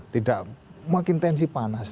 tidak makin tensi panas